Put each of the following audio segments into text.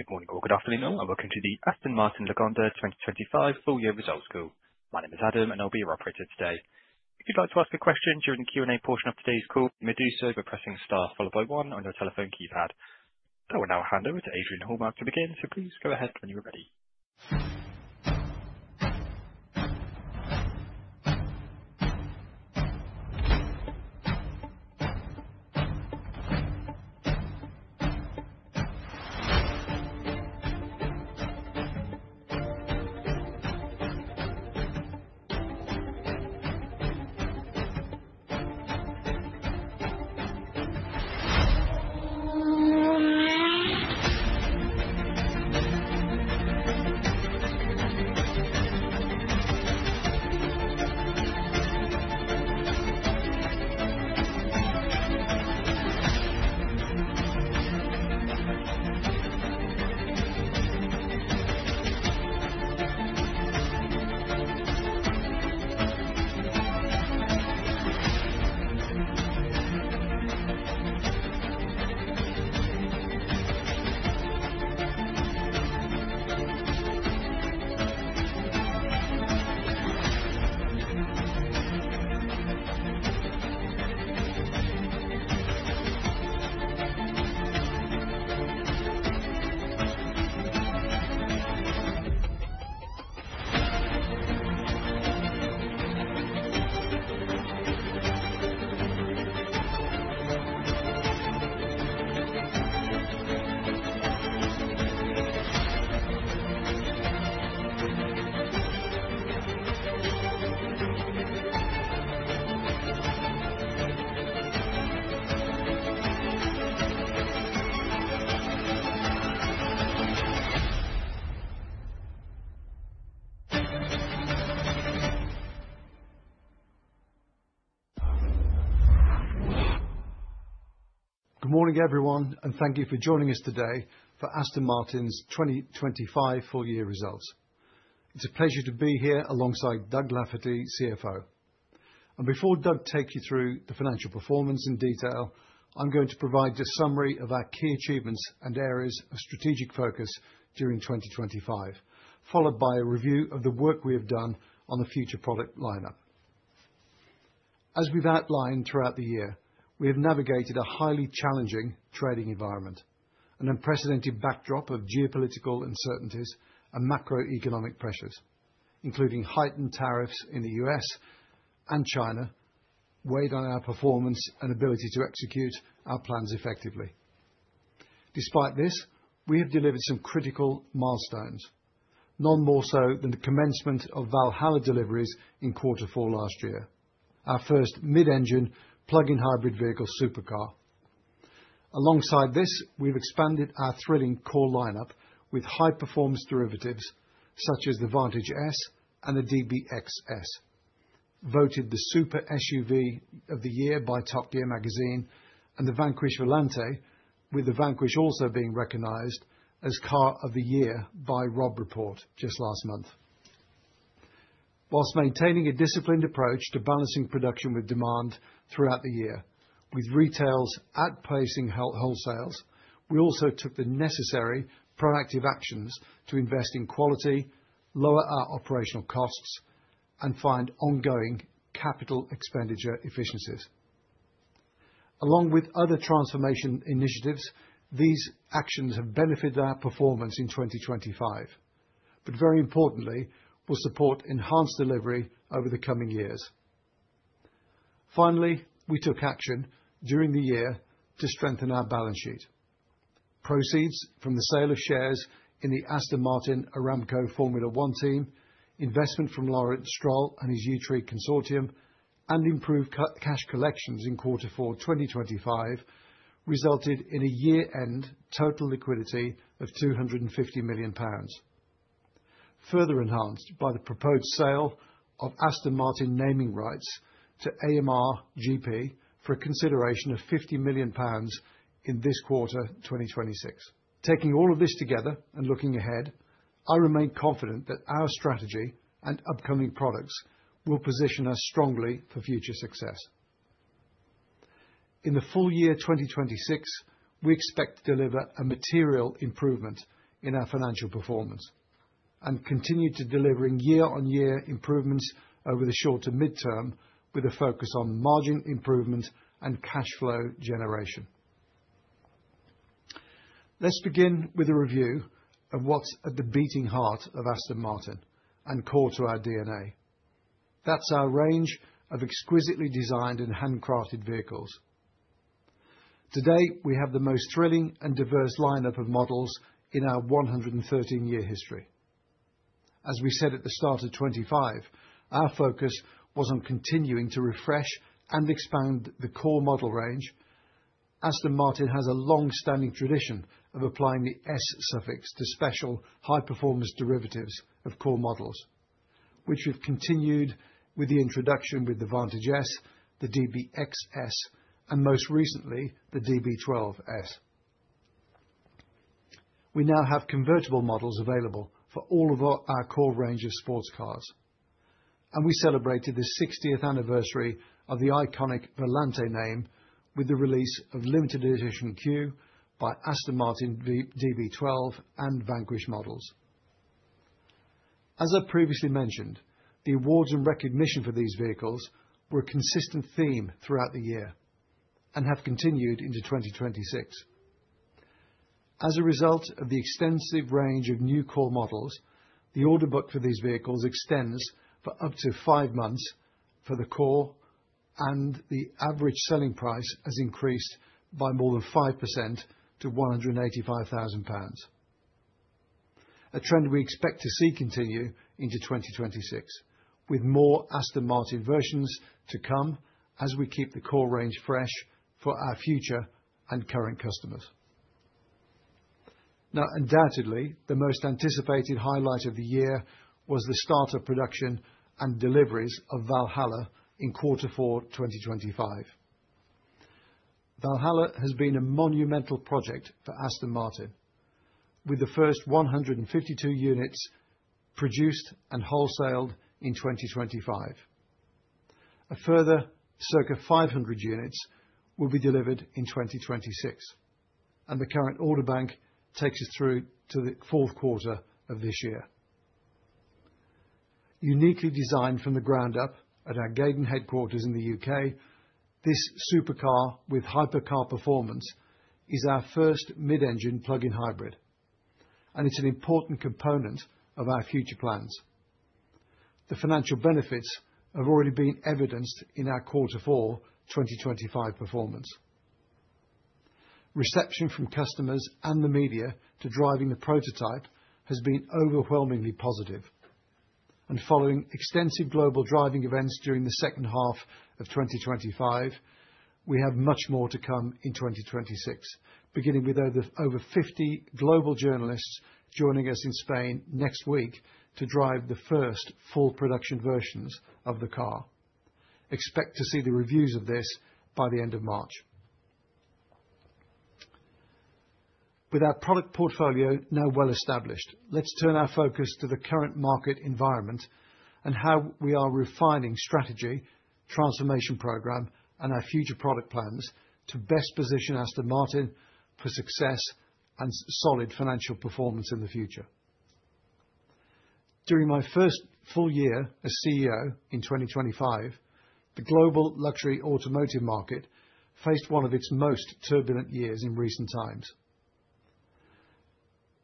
Good morning or good afternoon, welcome to the Aston Martin Lagonda 2025 full year results call. My name is Adam, and I'll be your operator today. If you'd like to ask a question during the Q&A portion of today's call, you may do so by pressing star followed by one on your telephone keypad. I will now hand over to Adrian Hallmark to begin. Please go ahead when you are ready. Good morning, everyone, thank you for joining us today for Aston Martin's 2025 full year results. It's a pleasure to be here alongside Doug Lafferty, CFO. Before Doug takes you through the financial performance in detail, I'm going to provide a summary of our key achievements and areas of strategic focus during 2025, followed by a review of the work we have done on the future product lineup. As we've outlined throughout the year, we have navigated a highly challenging trading environment, an unprecedented backdrop of geopolitical uncertainties and macroeconomic pressures, including heightened tariffs in the U.S. and China, weighed on our performance and ability to execute our plans effectively. Despite this, we have delivered some critical milestones, none more so than the commencement of Valhalla deliveries in quarter four last year, our first mid-engine plug-in hybrid vehicle supercar. Alongside this, we've expanded our thrilling core lineup with high-performance derivatives such as the Vantage S and the DBX S, voted the Super-SUV of the Year by Top Gear magazine and the Vanquish Volante, with the Vanquish also being recognized as Car of the Year by Robb Report just last month. Whilst maintaining a disciplined approach to balancing production with demand throughout the year, with retails outpacing whole-wholesales, we also took the necessary proactive actions to invest in quality, lower our operational costs, and find ongoing capital expenditure efficiencies. Along with other transformation initiatives, these actions have benefited our performance in 2025, but very importantly, will support enhanced delivery over the coming years. Finally, we took action during the year to strengthen our balance sheet. Proceeds from the sale of shares in the Aston Martin Aramco Formula One Team, investment from Lawrence Stroll and his Yew Tree Consortium, and improved cash collections in quarter four 2025, resulted in a year-end total liquidity of 250 million pounds. Further enhanced by the proposed sale of Aston Martin naming rights to AMR GP for a consideration of 50 million pounds in this quarter, 2026. Taking all of this together and looking ahead, I remain confident that our strategy and upcoming products will position us strongly for future success. In the full year 2026, we expect to deliver a material improvement in our financial performance and continue to delivering year-on-year improvements over the short to midterm, with a focus on margin improvement and cash flow generation. Let's begin with a review of what's at the beating heart of Aston Martin and core to our DNA. That's our range of exquisitely designed and handcrafted vehicles. Today, we have the most thrilling and diverse lineup of models in our 113-year history. As we said at the start of 2025, our focus was on continuing to refresh and expand the core model range. Aston Martin has a long-standing tradition of applying the 'S' suffix to special high-performance derivatives of core models, which we've continued with the introduction with the Vantage S, the DBX S, and most recently, the DB12 S. We now have convertible models available for all of our core range of sports cars. We celebrated the 60th anniversary of the iconic Volante name with the release of limited edition Q by Aston Martin DB12 and Vanquish models. As I previously mentioned, the awards and recognition for these vehicles were a consistent theme throughout the year and have continued into 2026. As a result of the extensive range of new core models, the order book for these vehicles extends for up to five months for the core, and the average selling price has increased by more than 5% to 185,000 pounds. A trend we expect to see continue into 2026, with more Aston Martin versions to come as we keep the core range fresh for our future and current customers. Now, undoubtedly, the most anticipated highlight of the year was the start of production and deliveries of Valhalla in Q4 2025. Valhalla has been a monumental project for Aston Martin, with the first 152 units produced and wholesaled in 2025. A further circa 500 units will be delivered in 2026. The current order bank takes us through to the fourth quarter of this year. Uniquely designed from the ground up at our Gaydon headquarters in the U.K., this supercar with hypercar performance is our first mid-engine plug-in hybrid. It's an important component of our future plans. The financial benefits have already been evidenced in our quarter four, 2025 performance. Reception from customers and the media to driving the prototype has been overwhelmingly positive. Following extensive global driving events during the second half of 2025, we have much more to come in 2026, beginning with over 50 global journalists joining us in Spain next week to drive the first full production versions of the car. Expect to see the reviews of this by the end of March. With our product portfolio now well-established, let's turn our focus to the current market environment and how we are refining strategy, transformation program, and our future product plans to best position Aston Martin for success and solid financial performance in the future. During my first full year as CEO in 2025, the global luxury automotive market faced one of its most turbulent years in recent times.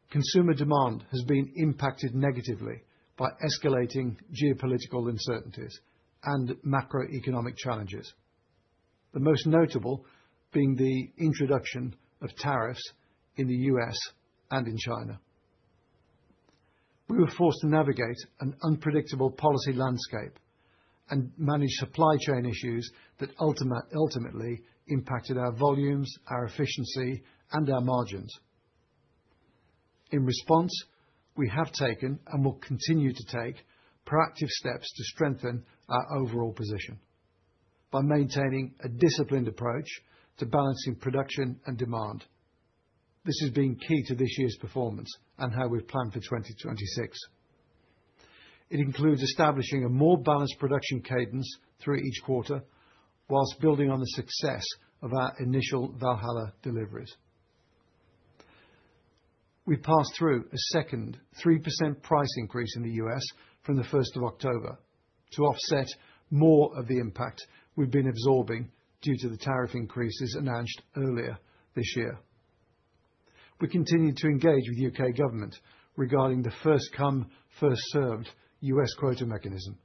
Consumer demand has been impacted negatively by escalating geopolitical uncertainties and macroeconomic challenges, the most notable being the introduction of tariffs in the U.S. and in China. We were forced to navigate an unpredictable policy landscape and manage supply chain issues that ultimately impacted our volumes, our efficiency, and our margins. We have taken, and will continue to take, proactive steps to strengthen our overall position by maintaining a disciplined approach to balancing production and demand. This has been key to this year's performance and how we've planned for 2026. It includes establishing a more balanced production cadence through each quarter, while building on the success of our initial Valhalla deliveries. We passed through a second 3% price increase in the U.S. from the 1st of October to offset more of the impact we've been absorbing due to the tariff increases announced earlier this year. We continued to engage with the U.K. government regarding the first-come, first-served U.S. quota mechanism,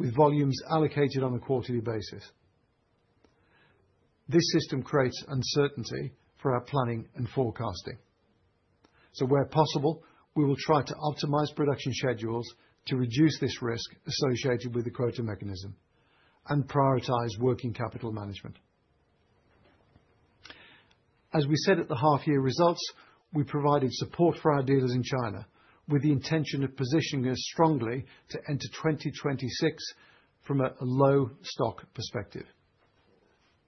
with volumes allocated on a quarterly basis. This system creates uncertainty for our planning and forecasting. Where possible, we will try to optimize production schedules to reduce this risk associated with the quota mechanism and prioritize working capital management. As we said at the half-year results, we provided support for our dealers in China with the intention of positioning us strongly to enter 2026 from a low stock perspective.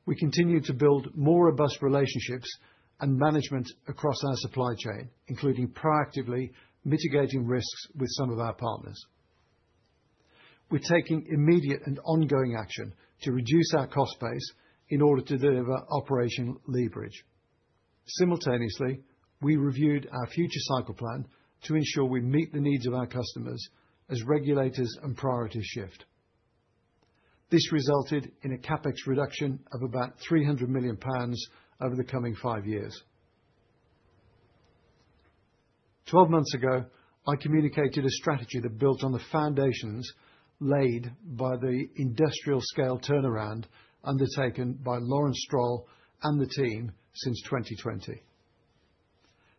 We continue to build more robust relationships and management across our supply chain, including proactively mitigating risks with some of our partners. We're taking immediate and ongoing action to reduce our cost base in order to deliver operational leverage. Simultaneously, we reviewed our future cycle plan to ensure we meet the needs of our customers as regulators and priorities shift. This resulted in a CapEx reduction of about 300 million pounds over the coming five years. 12 months ago, I communicated a strategy that built on the foundations laid by the industrial-scale turnaround undertaken by Lawrence Stroll and the team since 2020.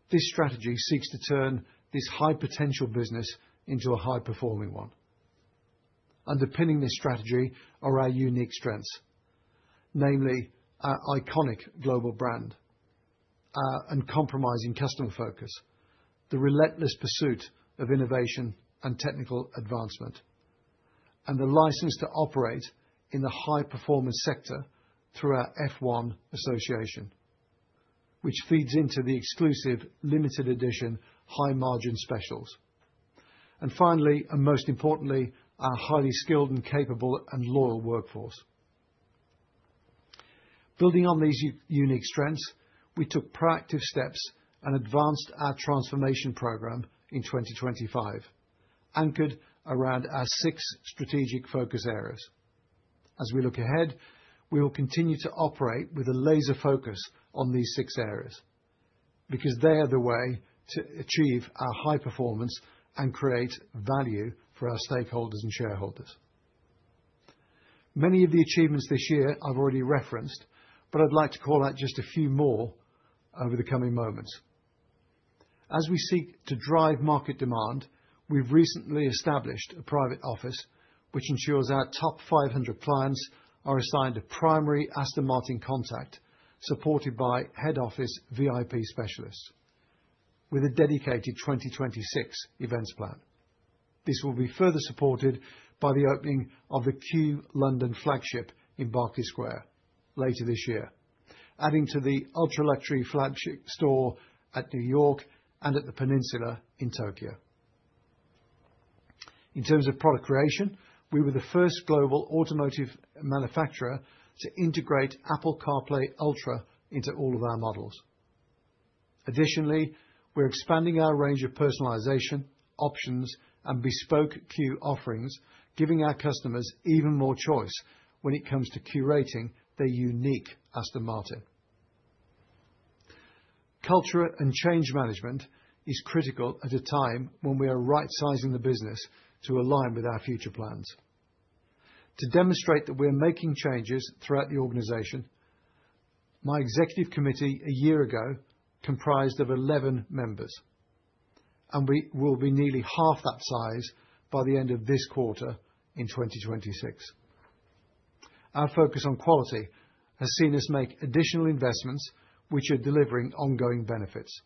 This strategy seeks to turn this high-potential business into a high-performing one. Underpinning this strategy are our unique strengths, namely our iconic global brand, our uncompromising customer focus, the relentless pursuit of innovation and technical advancement, and the license to operate in the high-performance sector through our F1 association, which feeds into the exclusive, limited edition, high-margin specials. Finally, and most importantly, our highly skilled and capable and loyal workforce. Building on these unique strengths, we took proactive steps and advanced our transformation program in 2025, anchored around our six strategic focus areas. As we look ahead, we will continue to operate with a laser focus on these six areas, because they are the way to achieve our high performance and create value for our stakeholders and shareholders. Many of the achievements this year I've already referenced, I'd like to call out just a few more over the coming moments. As we seek to drive market demand, we've recently established a Private Office, which ensures our top 500 clients are assigned a primary Aston Martin contact, supported by head office VIP specialists with a dedicated 2026 events plan. This will be further supported by the opening of the Q London flagship in Berkeley Square later this year, adding to the ultra-luxury flagship store at New York and at the Peninsula in Tokyo. In terms of product creation, we were the first global automotive manufacturer to integrate Apple CarPlay Ultra into all of our models. Additionally, we're expanding our range of personalization, options, and bespoke Q offerings, giving our customers even more choice when it comes to curating their unique Aston Martin. Culture and change management is critical at a time when we are right-sizing the business to align with our future plans. To demonstrate that we're making changes throughout the organization, my executive committee a year ago, comprised of 11 members, and we will be nearly half that size by the end of this quarter in 2026. Our focus on quality has seen us make additional investments, which are delivering ongoing benefits.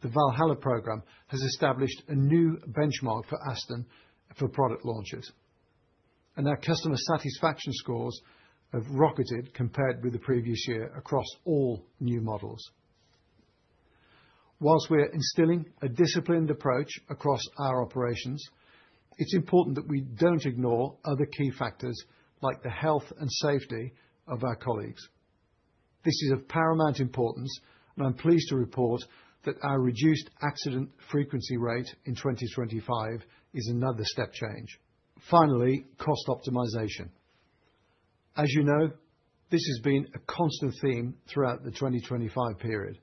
The Valhalla program has established a new benchmark for Aston for product launches, and our customer satisfaction scores have rocketed compared with the previous year across all new models. Whilst we are instilling a disciplined approach across our operations, it's important that we don't ignore other key factors, like the health and safety of our colleagues. This is of paramount importance, and I'm pleased to report that our reduced accident frequency rate in 2025 is another step change. Finally, cost optimization. As you know, this has been a constant theme throughout the 2025 period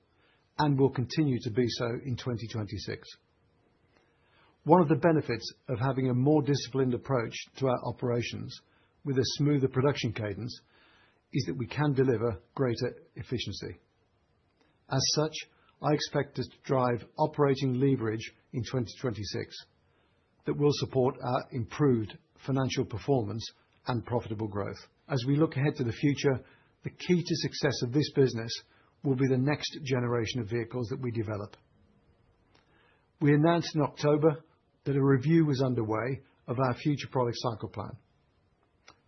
and will continue to be so in 2026. One of the benefits of having a more disciplined approach to our operations with a smoother production cadence is that we can deliver greater efficiency. As such, I expect us to drive operating leverage in 2026 that will support our improved financial performance and profitable growth. As we look ahead to the future, the key to success of this business will be the next generation of vehicles that we develop. We announced in October that a review was underway of our future product cycle plan,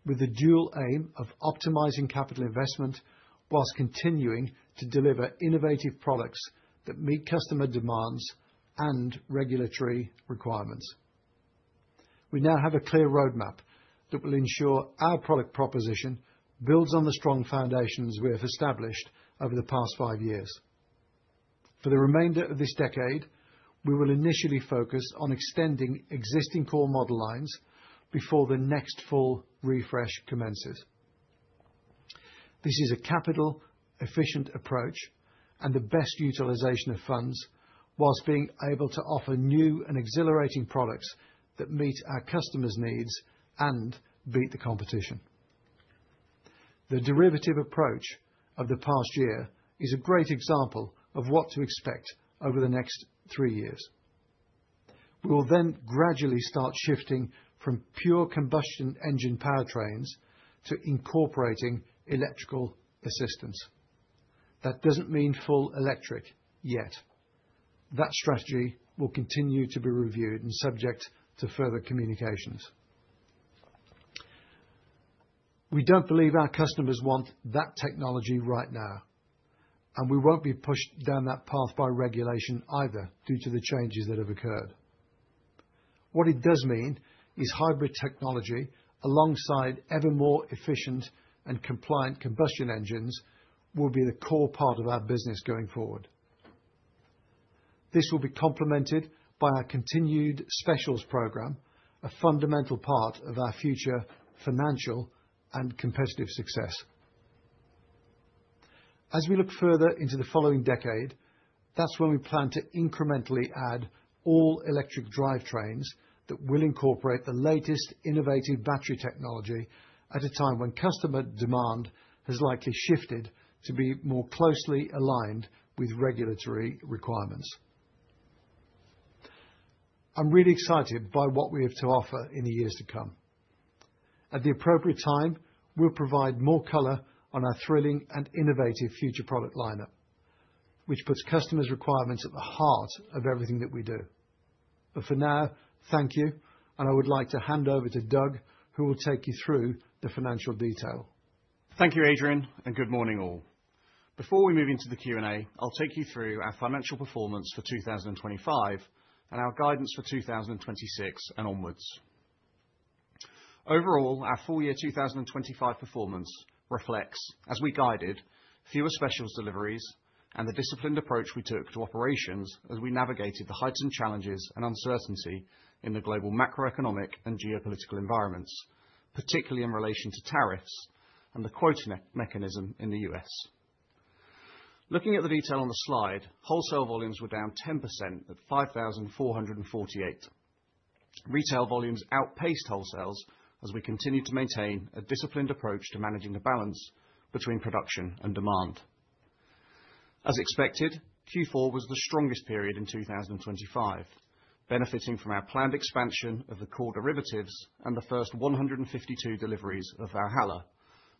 with the dual aim of optimizing capital investment whilst continuing to deliver innovative products that meet customer demands and regulatory requirements. We now have a clear roadmap that will ensure our product proposition builds on the strong foundations we have established over the past five years. For the remainder of this decade, we will initially focus on extending existing core model lines before the next full refresh commences. This is a capital-efficient approach and the best utilization of funds, whilst being able to offer new and exhilarating products that meet our customers' needs and beat the competition. The derivative approach of the past year is a great example of what to expect over the next three years. We will gradually start shifting from pure combustion engine powertrains to incorporating electrical assistance. That doesn't mean full electric, yet. That strategy will continue to be reviewed and subject to further communications. We don't believe our customers want that technology right now. We won't be pushed down that path by regulation either, due to the changes that have occurred. What it does mean is hybrid technology, alongside ever more efficient and compliant combustion engines, will be the core part of our business going forward. This will be complemented by our continued specials program, a fundamental part of our future financial and competitive success. As we look further into the following decade, that's when we plan to incrementally add all-electric drivetrains that will incorporate the latest innovative battery technology at a time when customer demand has likely shifted to be more closely aligned with regulatory requirements. I'm really excited by what we have to offer in the years to come. At the appropriate time, we'll provide more color on our thrilling and innovative future product lineup, which puts customers' requirements at the heart of everything that we do. For now, thank you, and I would like to hand over to Doug, who will take you through the financial detail. Thank you, Adrian. Good morning, all. Before we move into the Q&A, I'll take you through our financial performance for 2025, and our guidance for 2026 and onwards. Overall, our full year 2025 performance reflects, as we guided, fewer specials deliveries and the disciplined approach we took to operations as we navigated the heightened challenges and uncertainty in the global macroeconomic and geopolitical environments, particularly in relation to tariffs and the quota mechanism in the U.S. Looking at the detail on the slide, wholesale volumes were down 10% at 5,448. Retail volumes outpaced wholesales as we continued to maintain a disciplined approach to managing the balance between production and demand. As expected, Q4 was the strongest period in 2025, benefiting from our planned expansion of the core derivatives and the first 152 deliveries of Valhalla,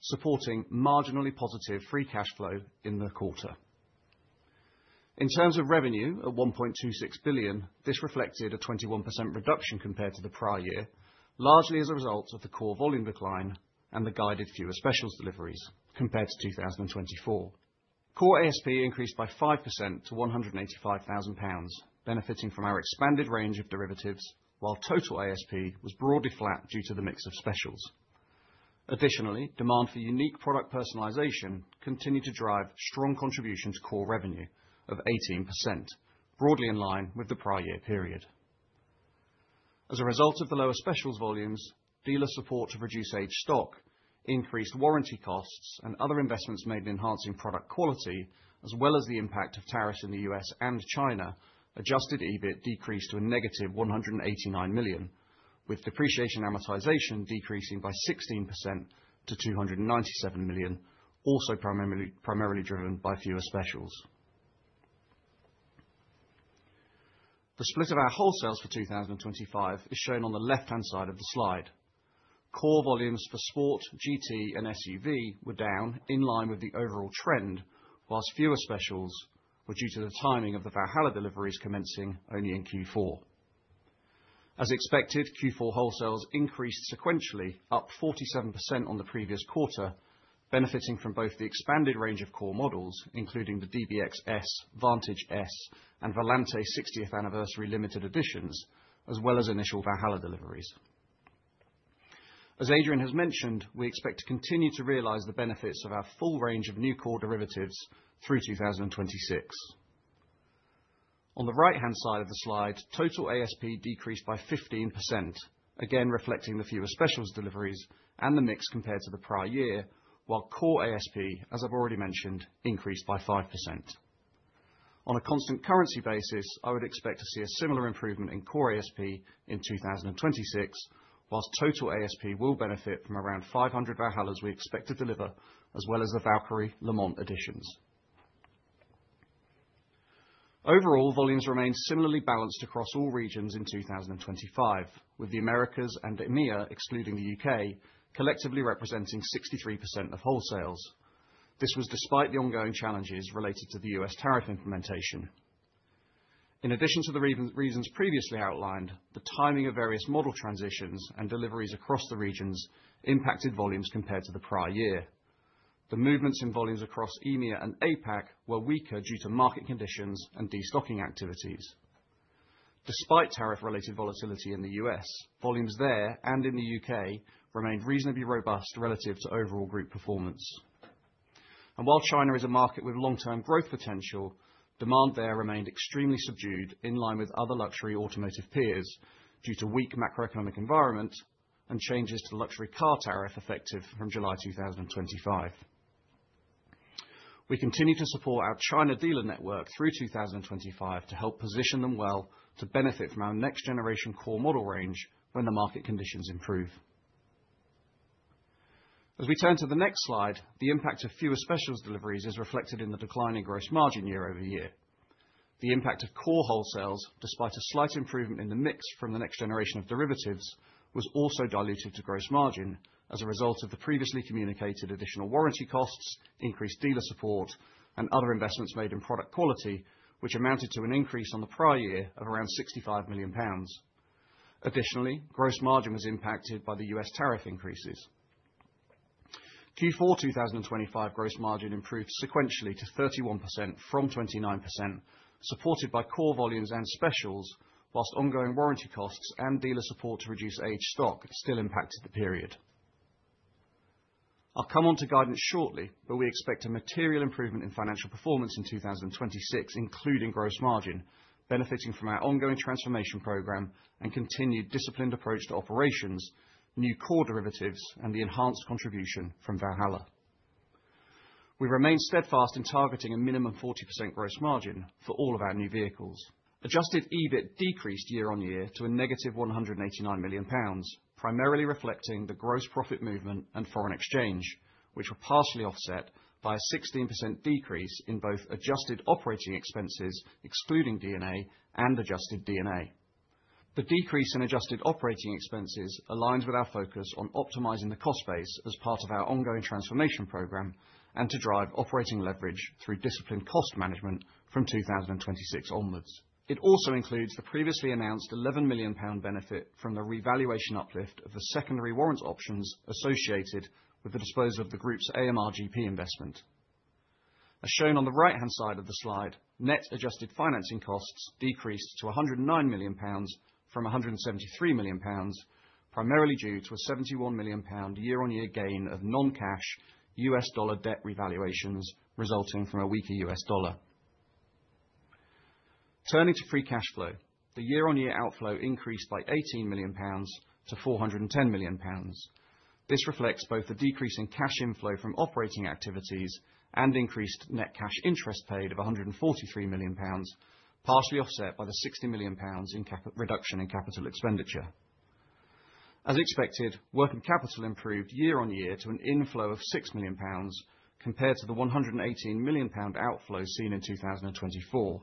supporting marginally positive free cash flow in the quarter. In terms of revenue, at 1.26 billion, this reflected a 21% reduction compared to the prior year, largely as a result of the core volume decline and the guided fewer specials deliveries compared to 2024. Core ASP increased by 5% to 185,000 pounds, benefiting from our expanded range of derivatives, while total ASP was broadly flat due to the mix of specials. Demand for unique product personalization continued to drive strong contribution to core revenue of 18%, broadly in line with the prior year period. As a result of the lower specials volumes, dealer support to reduce aged stock, increased warranty costs and other investments made in enhancing product quality, as well as the impact of tariffs in the U.S. and China, adjusted EBIT decreased to a -189 million, with depreciation amortization decreasing by 16% to 297 million, also primarily driven by fewer specials. The split of our wholesales for 2025 is shown on the left-hand side of the slide. Core volumes for sport, GT, and SUV were down in line with the overall trend, whilst fewer specials were due to the timing of the Valhalla deliveries commencing only in Q4. As expected, Q4 wholesales increased sequentially, up 47% on the previous quarter, benefiting from both the expanded range of core models, including the DBX S, Vantage S, and Volante 60th Anniversary Limited editions, as well as initial Valhalla deliveries. As Adrian has mentioned, we expect to continue to realize the benefits of our full range of new core derivatives through 2026. On the right-hand side of the slide, total ASP decreased by 15%, again, reflecting the fewer specials deliveries and the mix compared to the prior year, while core ASP, as I've already mentioned, increased by 5%. On a constant currency basis, I would expect to see a similar improvement in core ASP in 2026, whilst total ASP will benefit from around 500 Valhallas we expect to deliver, as well as the Valkyrie LM editions. Overall, volumes remained similarly balanced across all regions in 2025, with the Americas and EMEA, excluding the U.K., collectively representing 63% of wholesales. This was despite the ongoing challenges related to the U.S. tariff implementation. In addition to the reasons previously outlined, the timing of various model transitions and deliveries across the regions impacted volumes compared to the prior year. The movements in volumes across EMEA and APAC were weaker due to market conditions and destocking activities. Despite tariff-related volatility in the U.S., volumes there and in the U.K. remained reasonably robust relative to overall group performance. While China is a market with long-term growth potential, demand there remained extremely subdued, in line with other luxury automotive peers, due to weak macroeconomic environment and changes to luxury car tariff effective from July 2025. We continued to support our China dealer network through 2025 to help position them well to benefit from our next generation core model range when the market conditions improve. As we turn to the next slide, the impact of fewer specials deliveries is reflected in the decline in gross margin year-over-year. The impact of core wholesales, despite a slight improvement in the mix from the next generation of derivatives, was also diluted to gross margin as a result of the previously communicated additional warranty costs, increased dealer support, and other investments made in product quality, which amounted to an increase on the prior year of around 65 million pounds. Additionally, gross margin was impacted by the U.S. tariff increases. Q4 2025 gross margin improved sequentially to 31% from 29%, supported by core volumes and specials, whilst ongoing warranty costs and dealer support to reduce aged stock still impacted the period. I'll come on to guidance shortly. We expect a material improvement in financial performance in 2026, including gross margin, benefiting from our ongoing transformation program and continued disciplined approach to operations, new core derivatives, and the enhanced contribution from Valhalla. We remain steadfast in targeting a minimum 40% gross margin for all of our new vehicles. Adjusted EBIT decreased year-on-year to a -189 million pounds, primarily reflecting the gross profit movement and foreign exchange, which were partially offset by a 16% decrease in both adjusted operating expenses, excluding D&A and adjusted D&A. The decrease in adjusted operating expenses aligns with our focus on optimizing the cost base as part of our ongoing transformation program, and to drive operating leverage through disciplined cost management from 2026 onwards. It also includes the previously announced 11 million pound benefit from the revaluation uplift of the secondary warrant options associated with the disposal of the group's AMR GP investment. As shown on the right-hand side of the slide, net adjusted financing costs decreased to 109 million pounds from 173 million pounds, primarily due to a 71 million pound year-on-year gain of non-cash U.S. dollar debt revaluations, resulting from a weaker U.S. dollar. Turning to free cash flow, the year-on-year outflow increased by 18 million pounds to 410 million pounds. This reflects both the decrease in cash inflow from operating activities and increased net cash interest paid of GBP 143 million, partially offset by the GBP 60 million reduction in capital expenditure. As expected, working capital improved year-on-year to an inflow of 6 million pounds, compared to the 118 million pound outflow seen in 2024.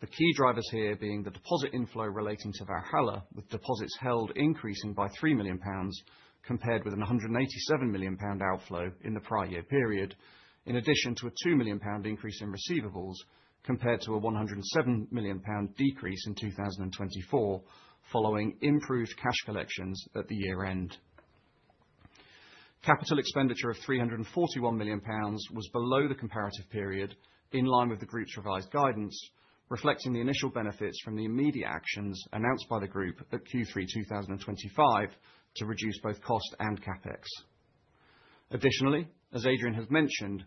The key drivers here being the deposit inflow relating to Valhalla, with deposits held increasing by 3 million pounds, compared with 187 million pound outflow in the prior year period, in addition to a 2 million pound increase in receivables, compared to a 107 million pound decrease in 2024, following improved cash collections at the year end. Capital expenditure of 341 million pounds was below the comparative period, in line with the group's revised guidance, reflecting the initial benefits from the immediate actions announced by the group at Q3 2025, to reduce both cost and CapEx. As Adrian has mentioned,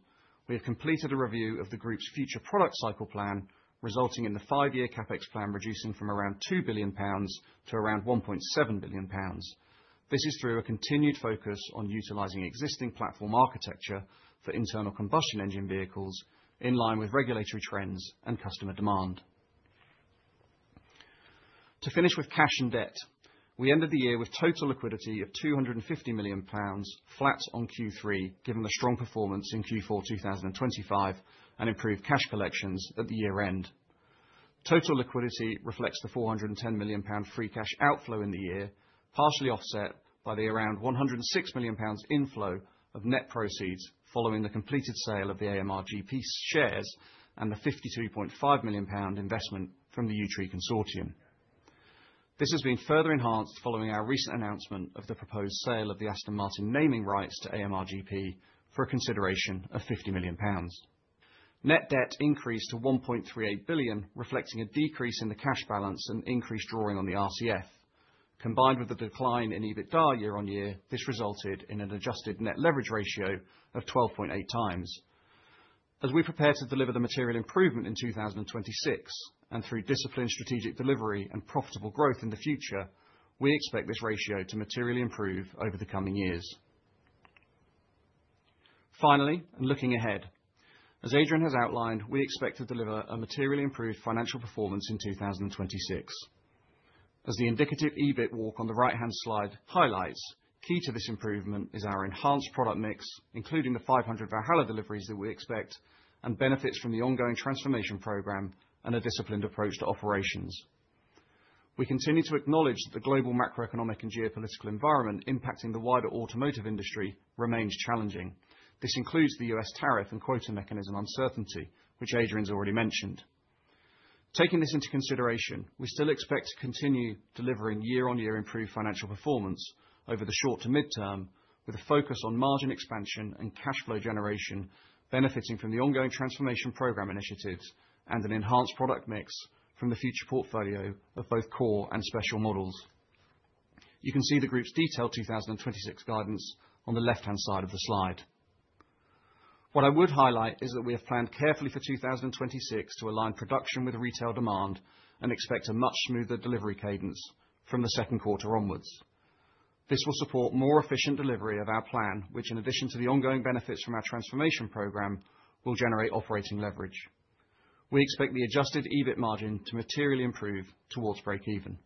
we have completed a review of the group's future product cycle plan, resulting in the five-year CapEx plan reducing from around 2 billion pounds to around 1.7 billion pounds. This is through a continued focus on utilizing existing platform architecture for internal combustion engine vehicles, in line with regulatory trends and customer demand. To finish with cash and debt, we ended the year with total liquidity of 250 million pounds, flat on Q3, given the strong performance in Q4 2025, and improved cash collections at the year end. Total liquidity reflects the 410 million pound free cash outflow in the year, partially offset by the around 106 million pounds inflow of net proceeds following the completed sale of the AMR GP's shares, and the 52.5 million pound investment from the Yew Tree Consortium. This has been further enhanced following our recent announcement of the proposed sale of the Aston Martin naming rights to AMR GP for a consideration of 50 million pounds. Net debt increased to 1.38 billion, reflecting a decrease in the cash balance and increased drawing on the RCF. Combined with the decline in EBITDA year-on-year, this resulted in an adjusted net leverage ratio of 12.8x. As we prepare to deliver the material improvement in 2026, and through disciplined strategic delivery and profitable growth in the future, we expect this ratio to materially improve over the coming years. Finally, and looking ahead, as Adrian has outlined, we expect to deliver a materially improved financial performance in 2026. As the indicative EBIT walk on the right-hand slide highlights, key to this improvement is our enhanced product mix, including the 500 Valhalla deliveries that we expect, and benefits from the ongoing transformation program and a disciplined approach to operations. We continue to acknowledge that the global macroeconomic and geopolitical environment impacting the wider automotive industry remains challenging. This includes the U.S. tariff and quota mechanism uncertainty, which Adrian's already mentioned. Taking this into consideration, we still expect to continue delivering year-on-year improved financial performance over the short to midterm, with a focus on margin expansion and cash flow generation, benefiting from the ongoing transformation program initiatives and an enhanced product mix from the future portfolio of both core and special models. You can see the group's detailed 2026 guidance on the left-hand side of the slide. What I would highlight is that we have planned carefully for 2026 to align production with retail demand and expect a much smoother delivery cadence from the second quarter onwards. This will support more efficient delivery of our plan, which, in addition to the ongoing benefits from our transformation program, will generate operating leverage. We expect the adjusted EBIT margin to materially improve towards breakeven.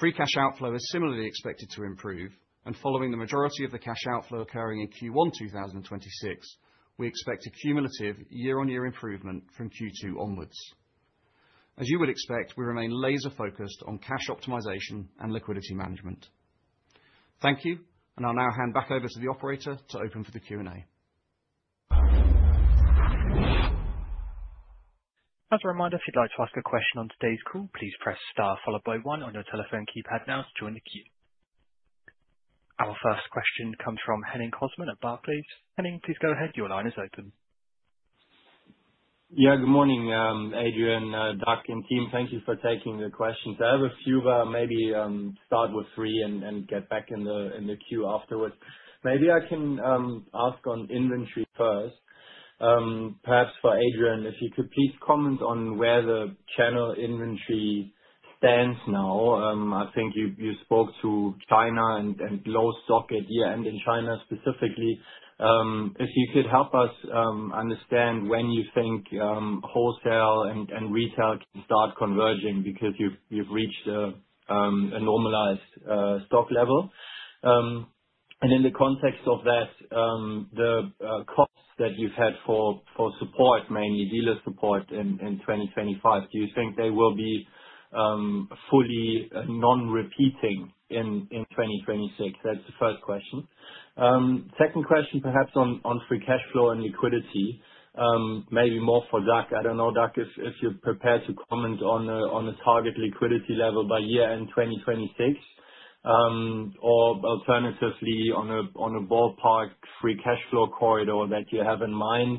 Free cash outflow is similarly expected to improve, and following the majority of the cash outflow occurring in Q1 2026, we expect a cumulative year-on-year improvement from Q2 onwards. As you would expect, we remain laser focused on cash optimization and liquidity management. Thank you. I'll now hand back over to the operator to open for the Q&A. As a reminder, if you'd like to ask a question on today's call, please press star followed by one on your telephone keypad now to join the queue. Our first question comes from Henning Cosman at Barclays. Henning, please go ahead. Your line is open. Good morning, Adrian, Doug, and team. Thank you for taking the questions. I have a few, but maybe start with three and get back in the queue afterwards. Maybe I can ask on inventory first. Perhaps for Adrian, if you could please comment on where the channel inventory stands now. I think you spoke to China and low stock at year-end in China specifically. If you could help us understand when you think wholesale and retail can start converging because you've reached a normalized stock level. In the context of that, the costs that you've had for support, mainly dealer support, in 2025, do you think they will be fully non-repeating in 2026? That's the first question. Second question, perhaps on free cash flow and liquidity, maybe more for Doug. I don't know, Doug, if you're prepared to comment on a target liquidity level by year-end 2026, or alternatively, on a ballpark free cash flow corridor that you have in mind.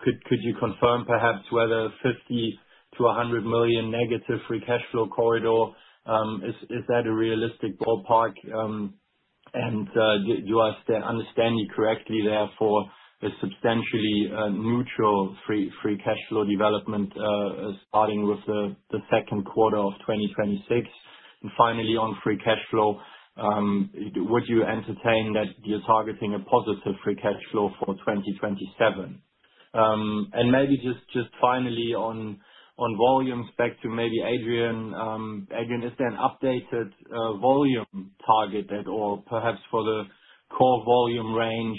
Could you confirm perhaps whether 50 million-100 million negative free cash flow corridor is that a realistic ballpark? And do I understand you correctly, therefore, a substantially neutral free cash flow development starting with the second quarter of 2026? Finally, on free cash flow, would you entertain that you're targeting a positive free cash flow for 2027? Maybe just finally on volumes, back to maybe Adrian. Adrian, is there an updated volume target at all, perhaps for the core volume range?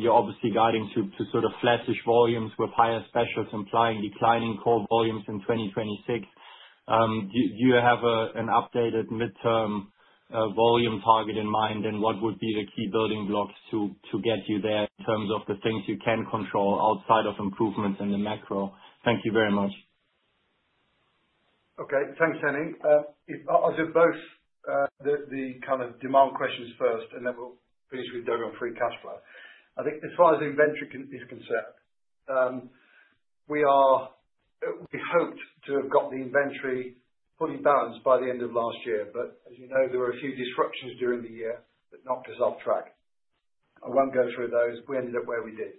You're obviously guiding to sort of flattish volumes with higher specials, implying declining core volumes in 2026. Do you have an updated mid-term volume target in mind? What would be the key building blocks to get you there in terms of the things you can control outside of improvements in the macro? Thank you very much. Okay. Thanks, Henning. I'll do both the kind of demand questions first, then we'll finish with Doug on free cash flow. I think as far as inventory is concerned, We hoped to have got the inventory fully balanced by the end of last year, as you know, there were a few disruptions during the year that knocked us off track. I won't go through those. We ended up where we did.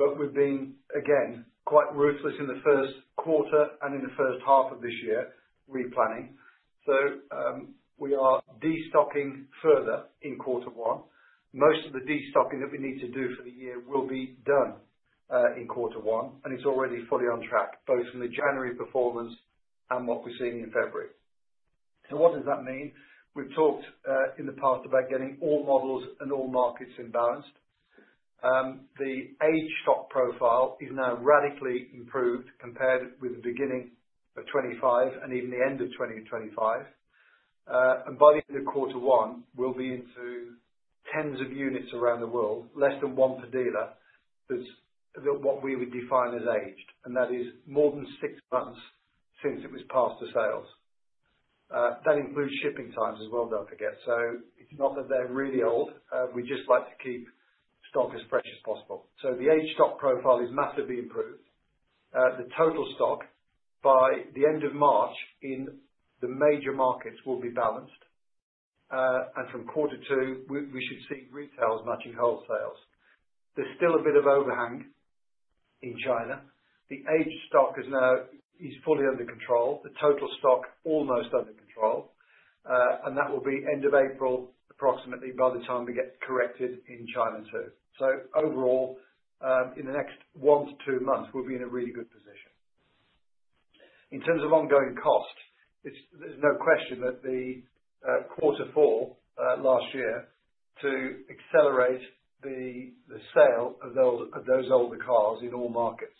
We've been, again, quite ruthless in the first quarter and in the first half of this year, replanning. We are destocking further in quarter one. Most of the destocking that we need to do for the year will be done in quarter one, it's already fully on track, both from the January performance and what we're seeing in February. What does that mean? We've talked in the past about getting all models and all markets in balance. The aged stock profile is now radically improved compared with the beginning of 2025 and even the end of 2025. By the end of Q1, we'll be into tens of units around the world, less than one per dealer, that's what we would define as aged, and that is more than six months since it was passed to sales. That includes shipping times as well, don't forget. It's not that they're really old, we just like to keep stock as fresh as possible. The aged stock profile is massively improved. The total stock by the end of March, in the major markets, will be balanced. From Q2, we should see retails matching wholesales. There's still a bit of overhang in China. The aged stock is now fully under control, the total stock, almost under control, and that will be end of April, approximately, by the time we get corrected in China too. Overall, in the next one to two months, we'll be in a really good position. In terms of ongoing cost, it's there's no question that the quarter four last year, to accelerate the sale of those older cars in all markets,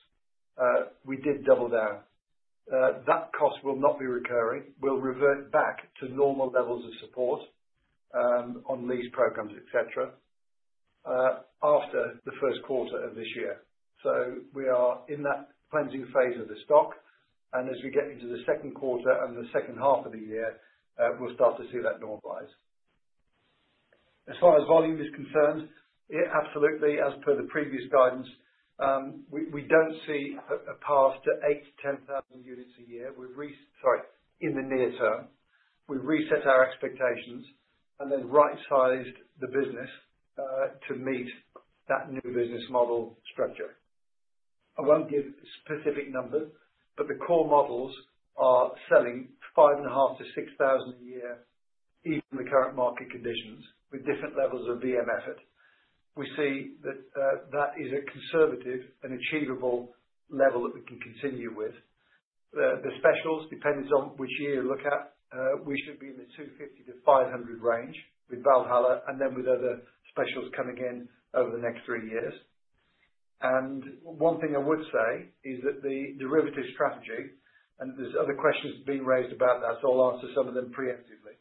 we did double down. That cost will not be recurring. We'll revert back to normal levels of support on lease programs, et cetera, after the first quarter of this year. We are in that cleansing phase of the stock, and as we get into the second quarter and the second half of the year, we'll start to see that normalize. As far as volume is concerned, yeah, absolutely, as per the previous guidance, we don't see a path to 8,000-10,000 units a year. Sorry, in the near term. We've reset our expectations and then rightsized the business to meet that new business model structure. I won't give specific numbers, but the core models are selling 5,500-6,000 a year, even in the current market conditions, with different levels of BM effort. We see that is a conservative and achievable level that we can continue with. The, the specials, depends on which year you look at, we should be in the 250-500 range with Valhalla, and then with other specials coming in over the next three years. One thing I would say is that the derivative strategy, and there's other questions being raised about that, so I'll answer some of them preemptively.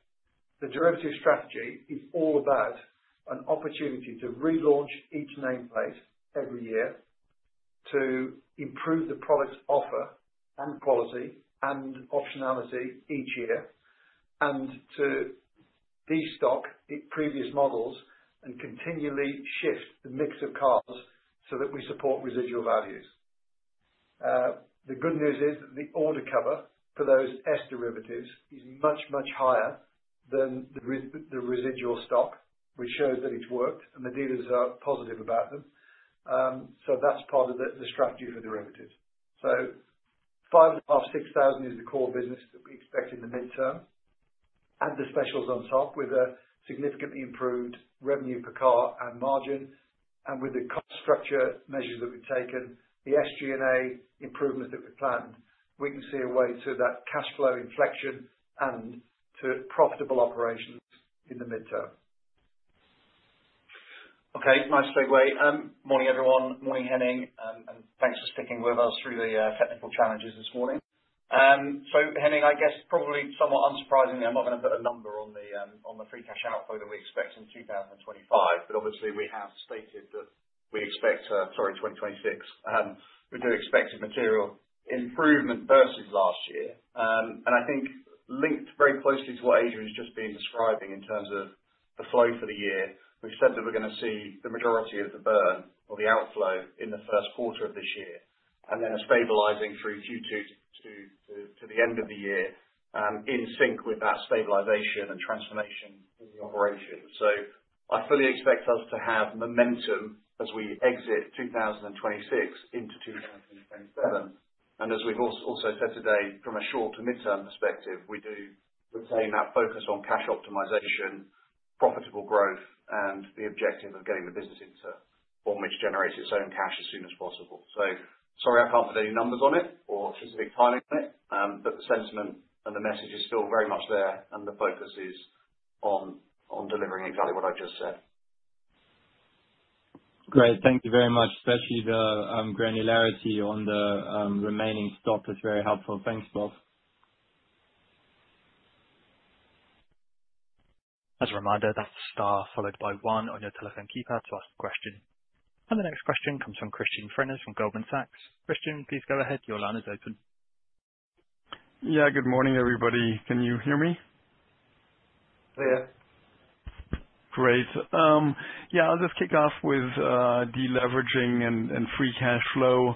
The derivative strategy is all about an opportunity to relaunch each nameplate every year, to improve the product offer and quality and optionality each year, and to destock the previous models and continually shift the mix of cars so that we support residual values. The good news is that the order cover for those S derivatives is much, much higher than the residual stock, which shows that it's worked, and the dealers are positive about them. That's part of the strategy for derivatives. So 6,000 is the core business that we expect in the midterm, and the specials on top, with a significantly improved revenue per car and margin. With the cost structure measures that we've taken, the SG&A improvements that we've planned, we can see a way to that cash flow inflection and to profitable operations in the midterm. Okay, nice segue. Morning, everyone. Morning, Henning, and thanks for sticking with us through the technical challenges this morning. Henning, I guess probably somewhat unsurprisingly, I'm not going to put a number on the free cash outflow that we expect in 2025, but obviously, we have stated that we expect, sorry, 2026, we do expect a material improvement versus last year. I think linked very closely to what Adrian has just been describing in terms of the flow for the year, we've said that we're going to see the majority of the burn or the outflow in the first quarter of this year, and then a stabilizing through Q2 to the end of the year, in sync with that stabilization and transformation in the operation. I fully expect us to have momentum as we exit 2026 into 2027. As we've also said today, from a short to midterm perspective, we do retain that focus on cash optimization, profitable growth, and the objective of getting the business into a form which generates its own cash as soon as possible. Sorry, I can't put any numbers on it or specific timing on it, but the sentiment and the message is still very much there, and the focus is on delivering exactly what I've just said. Great. Thank you very much, especially the granularity on the remaining stock is very helpful. Thanks, Doug. As a reminder, that's star followed by one on your telephone keypad to ask the question. The next question comes from Christian Frenes from Goldman Sachs. Christian, please go ahead. Your line is open. Yeah, good morning, everybody. Can you hear me? Yeah. Great. I'll just kick off with deleveraging and free cash flow.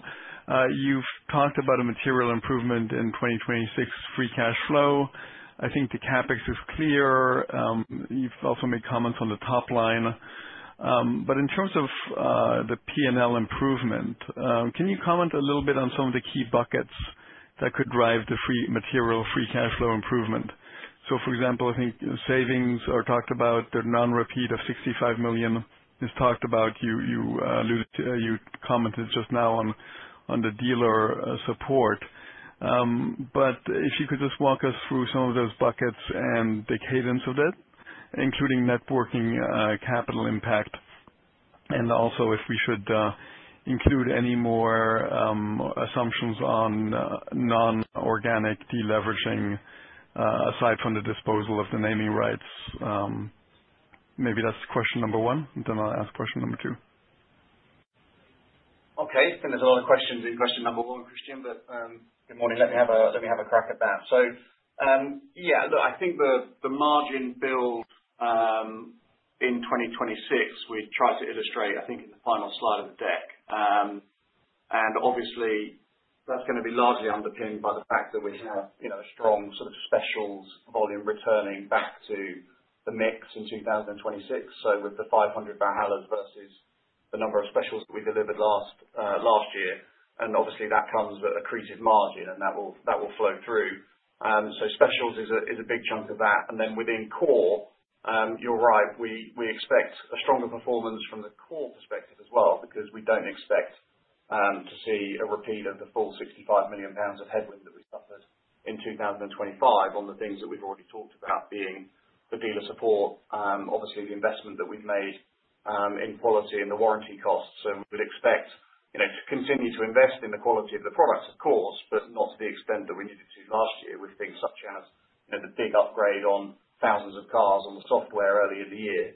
You've talked about a material improvement in 2026 free cash flow. I think the CapEx is clear. You've also made comments on the top line. In terms of the P&L improvement, can you comment a little bit on some of the key buckets that could drive the material free cash flow improvement? For example, I think savings are talked about, the non-repeat of 65 million is talked about. You commented just now on the dealer support. If you could just walk us through some of those buckets and the cadence of it, including networking, capital impact, and also if we should include any more assumptions on non-organic deleveraging, aside from the disposal of the naming rights. Maybe that's question number one, I'll ask question number two. Okay. There's a lot of questions in question number one, Christian, but, good morning. Let me have a crack at that. Yeah, look, I think the margin build, in 2026, we tried to illustrate, I think, in the final slide of the deck. Obviously, that's going to be largely underpinned by the fact that we have, you know, a strong sort of specials volume returning back to the mix in 2026. With the 500 Valhallas versus the number of specials that we delivered last year, and obviously that comes with accretive margin, and that will flow through. Specials is a big chunk of that. Within core, you're right, we expect a stronger performance from the core perspective as well, because we don't expect to see a repeat of the full 65 million pounds of headwind that we suffered in 2025 on the things that we've already talked about, being the dealer support, obviously the investment that we've made in quality and the warranty costs. We'd expect, you know, to continue to invest in the quality of the products, of course, but not to the extent that we did it to last year, with things such as, you know, the big upgrade on thousands of cars on the software earlier in the year.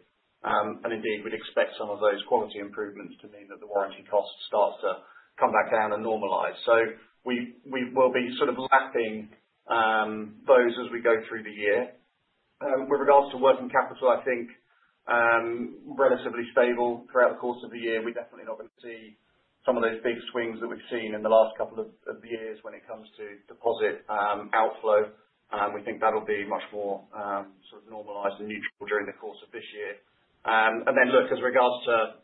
Indeed, we'd expect some of those quality improvements to mean that the warranty costs start to come back down and normalize. We will be sort of lapping, those as we go through the year. With regards to working capital, I think, relatively stable throughout the course of the year. We're definitely not going to see some of those big swings that we've seen in the last couple of years when it comes to deposit, outflow. We think that'll be much more, sort of normalized and neutral during the course of this year. Then look, as regards to,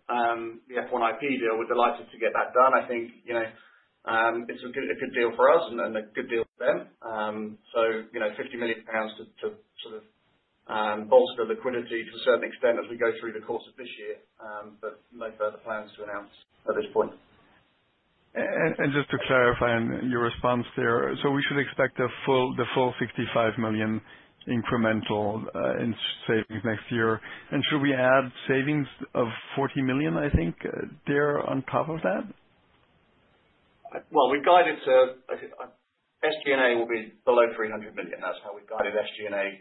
the F1 IP deal, we're delighted to get that done. I think, you know, it's a good deal for us and a good deal for them. You know, 50 million pounds to sort of bolster liquidity to a certain extent as we go through the course of this year, but no further plans to announce at this point. Just to clarify on your response there, we should expect the full 65 million incremental in savings next year? Should we add savings of 40 million, I think, there, on top of that? Well, we've guided to, I think, SG&A will be below 300 million. That's how we've guided SG&A.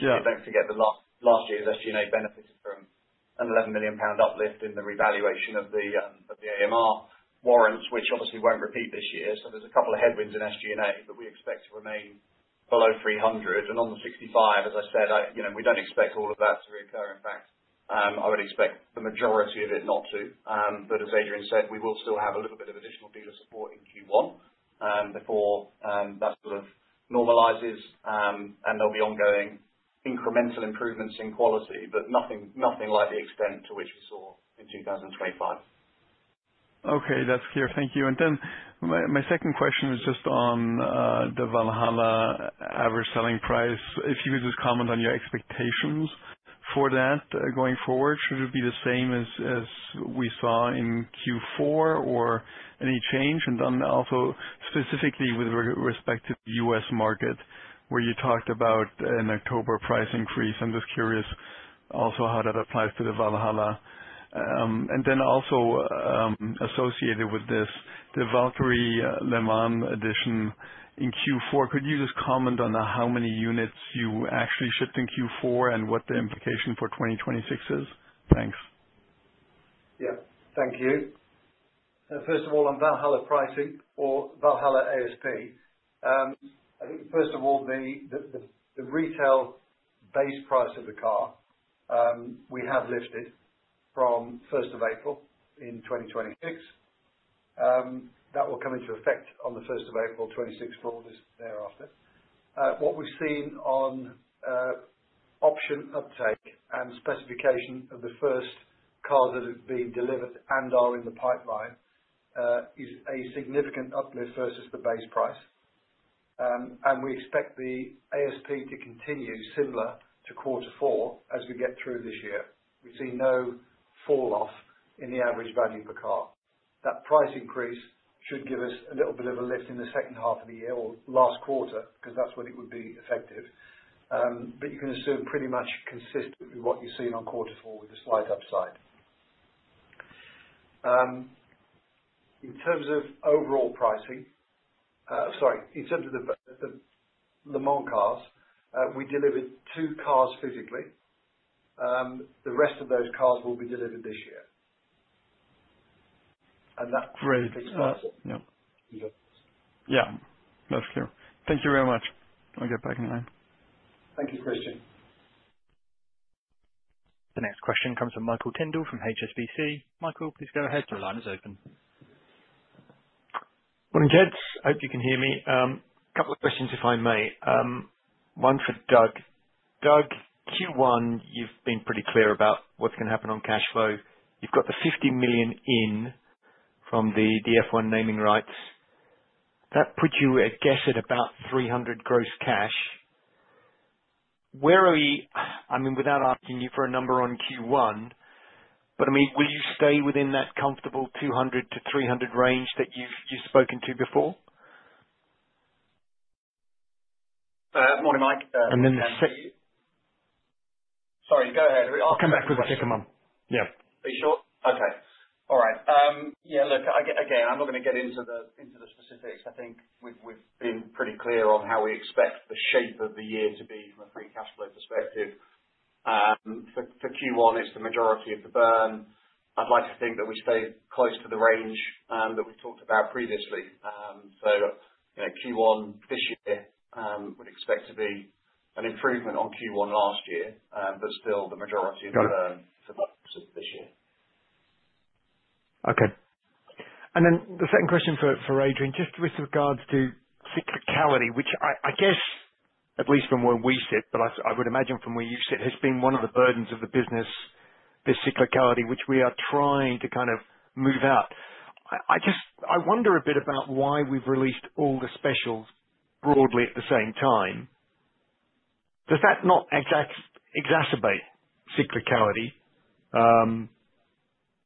Yeah. Don't forget that last year's SG&A benefited from a 11 million pound uplift in the revaluation of the AMR warrants, which obviously won't repeat this year. There's a couple of headwinds in SG&A, but we expect to remain below 300 million. On the 65 million, as I said, you know, we don't expect all of that to reoccur. In fact, I would expect the majority of it not to. As Adrian said, we will still have a little bit of additional dealer support in Q1 before that sort of normalizes. There'll be ongoing incremental improvements in quality, but nothing like the extent to which we saw in 2025. Okay, that's clear. Thank you. My second question is just on the Valhalla average selling price. If you could just comment on your expectations for that going forward. Should it be the same as we saw in Q4, or any change? Also specifically with respect to the U.S. market, where you talked about an October price increase. I'm just curious also how that applies to the Valhalla. Also, associated with this, the Valkyrie Le Mans edition in Q4, could you just comment on how many units you actually shipped in Q4 and what the implication for 2026 is? Thanks. Thank you. First of all, on Valhalla pricing or Valhalla ASP, I think first of all, the retail base price of the car, we have listed from first of April in 2026. That will come into effect on the first of April 2026 for orders thereafter. What we've seen on option uptake and specification of the first cars that have been delivered and are in the pipeline, is a significant uplift versus the base price. We expect the ASP to continue similar to quarter four as we get through this year. We've seen no fall off in the average value per car. That price increase should give us a little bit of a lift in the second half of the year or last quarter, because that's when it would be effective. You can assume pretty much consistent with what you've seen on Q4, with a slight upside. In terms of overall pricing, sorry, in terms of the Le Mans cars, we delivered two cars physically. The rest of those cars will be delivered this year. Great. That's it. Yep. Yep. Yeah, that's clear. Thank you very much. I'll get back in line. Thank you, Christian. The next question comes from Michael Tyndall from HSBC. Michael, please go ahead. Your line is open. Morning, gents. Hope you can hear me. Couple of questions, if I may. One for Doug. Doug, Q1, you've been pretty clear about what's going to happen on cash flow. You've got the 50 million in from the F1 naming rights. That puts you, I guess, at about 300 million gross cash. I mean, without asking you for a number on Q1, but I mean, will you stay within that comfortable 200 million-300 million range that you've spoken to before? Good morning, Mike. And then the sec— Sorry, go ahead. I'll come back with the second one. Yeah. Are you sure? Okay. All right. I'm not going to get into the specifics. I think we've been pretty clear on how we expect the shape of the year to be from a free cash flow perspective. For Q1, it's the majority of the burn. I'd like to think that we stay close to the range that we talked about previously. You know, Q1 this year would expect to be an improvement on Q1 last year, but still the majority of the burn for us this year. The second question for Adrian, just with regards to cyclicality, which I guess at least from where we sit, but I would imagine from where you sit, has been one of the burdens of the business, this cyclicality, which we are trying to kind of move out. I just wonder a bit about why we've released all the specials broadly at the same time. Does that not exacerbate cyclicality?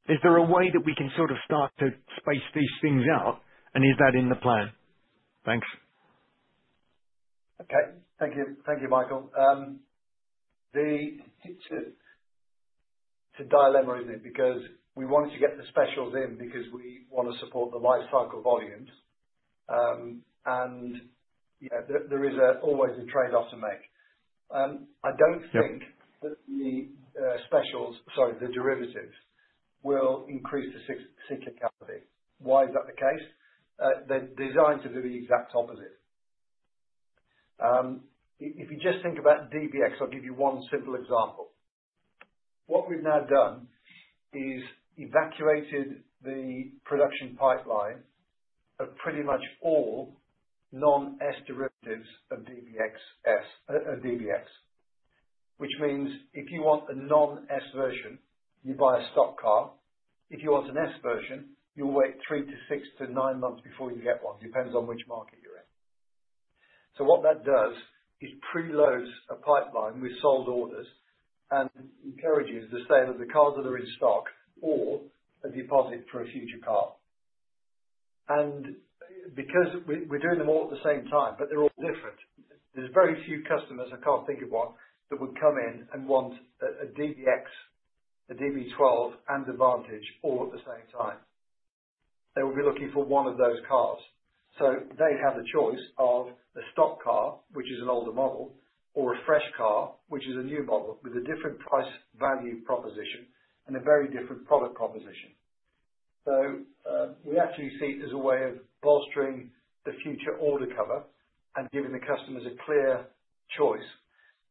Is there a way that we can sort of start to space these things out, and is that in the plan? Thanks. Okay. Thank you. Thank you, Michael. It's a dilemma, isn't it. We wanted to get the specials in because we want to support the life cycle volumes. Yeah, there is always a trade-off to make. I don't think that the specials, sorry, the derivatives, will increase the cyclicality. Why is that the case? They're designed to do the exact opposite. If you just think about DBX, I'll give you one simple example. What we've now done is evacuated the production pipeline of pretty much all non-S derivatives of DBX S, DBX. Which means if you want a non-S version, you buy a stock car. If you want an S version, you'll wait three to six to nine months before you get one, depends on which market you're in. What that does is pre-loads a pipeline with sold orders and encourages the sale of the cars that are in stock or a deposit for a future car. Because we're doing them all at the same time, but they're all different, there's very few customers, I can't think of one, that would come in and want a DBX, a DB12, and a Vantage all at the same time. They will be looking for one of those cars. They have the choice of a stock car, which is an older model, or a fresh car, which is a new model with a different price value proposition and a very different product proposition. We actually see it as a way of bolstering the future order cover and giving the customers a clear choice.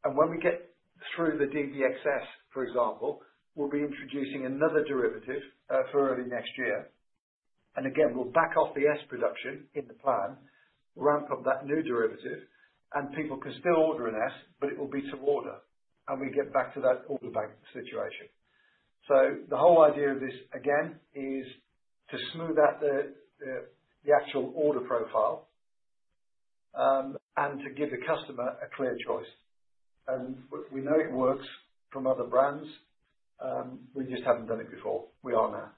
When we get through the DBX S, for example, we'll be introducing another derivative for early next year. Again, we'll back off the S production in the plan, ramp up that new derivative, and people can still order an S, but it will be to order. We get back to that order bank situation. The whole idea of this, again, is to smooth out the actual order profile and to give the customer a clear choice. We know it works from other brands, we just haven't done it before. We are now.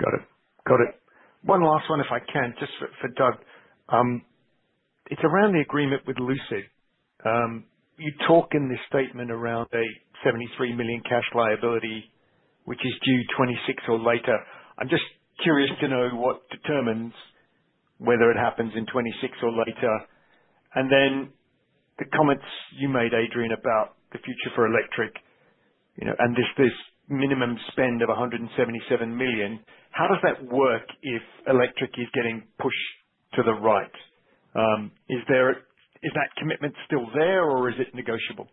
Got it. Got it. One last one, if I can, just for Doug. It's around the agreement with Lucid. You talk in this statement around a 73 million cash liability, which is due 2026 or later. I'm just curious to know what determines whether it happens in 2026 or later. The comments you made, Adrian, about the future for electric, you know, and this minimum spend of 177 million, how does that work if electric is getting pushed to the right? Is that commitment still there, or is it negotiable?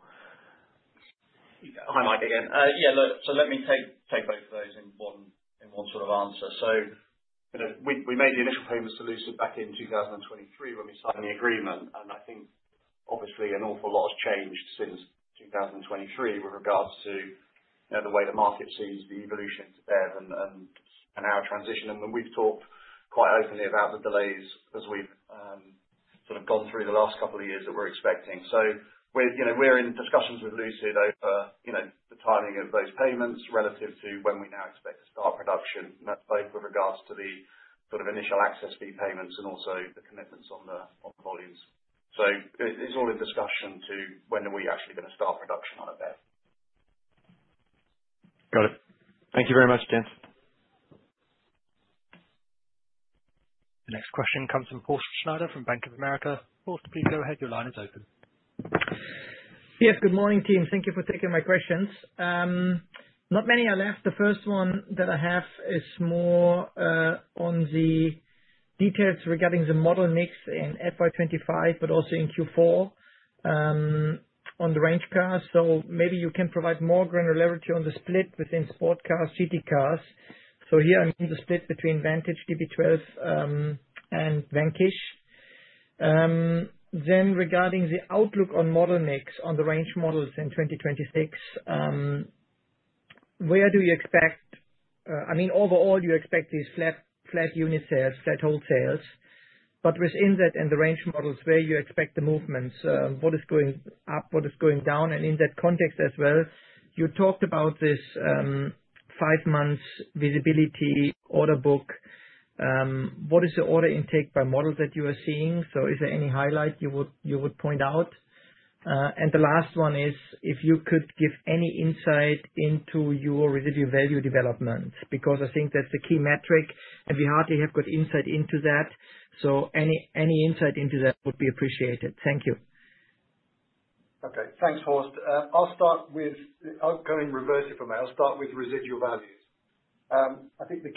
Hi, Mike, again. Let me take both of those in one sort of answer. You know, we made the initial payments to Lucid back in 2023 when we signed the agreement, I think obviously an awful lot has changed since 2023 with regards to, you know, the way the market sees the evolution to BEV and our transition. We've talked quite openly about the delays as we've gone through the last couple of years that we're expecting. We're, you know, we're in discussions with Lucid over, you know, the timing of those payments relative to when we now expect to start production. That's both with regards to the initial access fee payments and also the commitments on the volumes. It's all a discussion to when are we actually going to start production on a BEV. Got it. Thank you very much, gents. The next question comes from Horst Schneider from Bank of America. Horst, please go ahead. Your line is open. Good morning, team. Thank you for taking my questions. Not many are left. The first one that I have is more on the details regarding the model mix in FY 2025, but also in Q4 on the Range cars. Maybe you can provide more granularity on the split within sport cars, city cars. Here, the split between Vantage, DB12, and Vanquish. Regarding the outlook on model mix on the Range models in 2026, where do you expect overall, you expect these flat unit sales, flat wholesale, but within that and the Range models, where you expect the movements, what is going up, what is going down? In that context as well, you talked about this five months visibility order book. What is the order intake by models that you are seeing? Is there any highlight you would point out? The last one is, if you could give any insight into your residual value development, because I think that's a key metric, and we hardly have good insight into that. Any insight into that would be appreciated. Thank you. Okay. Thanks, Horst. I'll go in reverse order for a minute. I'll start with residual values. I think the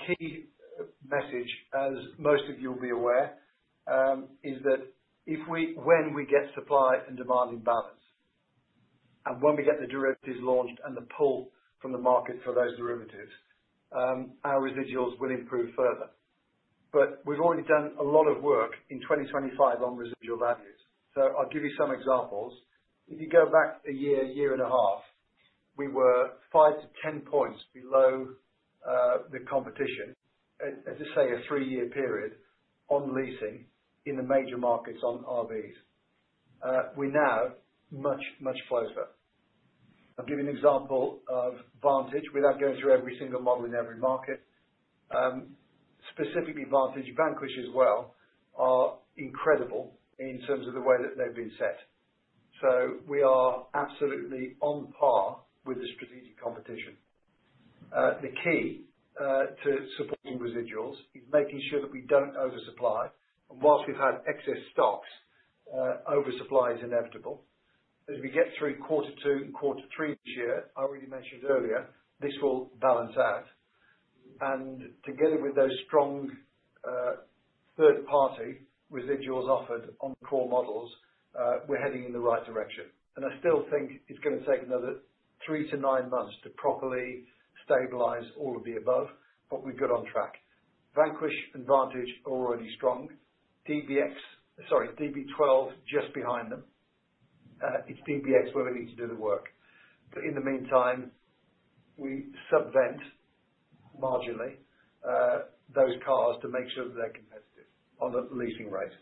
key message, as most of you will be aware, is that when we get supply and demand in balance, and when we get the derivatives launched and the pull from the market for those derivatives, our residuals will improve further. We've already done a lot of work in 2025 on residual values. I'll give you some examples. If you go back a year and a half, we were 5-10 points below the competition, as I say, a three-year period on leasing in the major markets on RVs. We're now much, much closer. I'll give you an example of Vantage without going through every single model in every market. Specifically Vantage, Vanquish as well, are incredible in terms of the way that they've been set. We are absolutely on par with the strategic competition. The key to supporting residuals is making sure that we don't oversupply. Whilst we've had excess stocks, oversupply is inevitable. As we get through quarter two and quarter three this year, I already mentioned earlier, this will balance out. Together with those strong, third-party residuals offered on core models, we're heading in the right direction. I still think it's going to take another three to nine months to properly stabilize all of the above, but we're good on track. Vanquish and Vantage are already strong. DBX, sorry, DB12, just behind them. It's DBX where we need to do the work. In the meantime, we subvent, marginally, those cars to make sure that they're competitive on the leasing rate.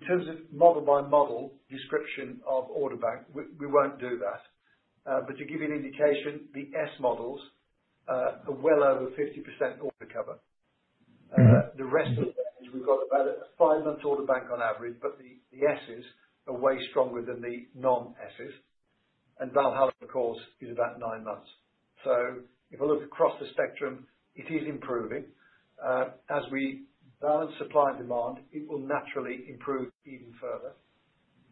In terms of model-by-model description of order bank, we won't do that. To give you an indication, the S models are well over 50% order cover. Mm-hmm. The rest of it, we've got about a five-month order bank on average, but the Ss are way stronger than the non-Ss. Valhalla, of course, is about nine months. If I look across the spectrum, it is improving. As we balance supply and demand, it will naturally improve even further.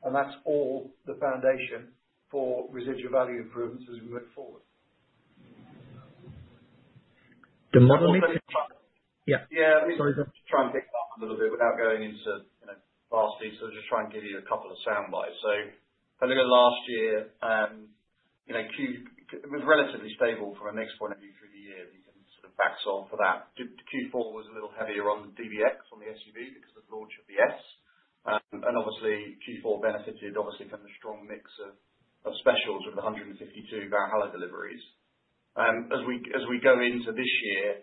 That's all the foundation for residual value improvements as we move forward. The model— Yeah. Yeah. Sorry, go on. Try and pick it up a little bit without going into, you know, vast details. Just try and give you a couple of soundbites. If I look at last year, you know, it was relatively stable from a mix point of view through the year. For that, Q4 was a little heavier on DBX, on the SUV, because of the launch of the S. Obviously Q4 benefited, obviously, from the strong mix of specials with 152 Valhalla deliveries. As we, as we go into this year,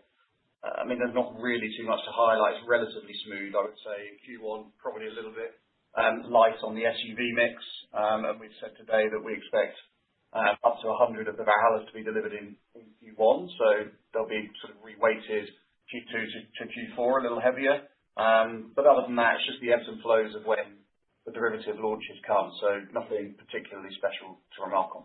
I mean, there's not really too much to highlight. It's relatively smooth, I would say. Q1, probably a little bit light on the SUV mix. We've said today that we expect up to 100 of the Valhallas to be delivered in Q1, so they'll be sort of reweighted Q2 to Q4, a little heavier. Other than that, it's just the ebbs and flows of when the derivative launches come, so nothing particularly special to remark on.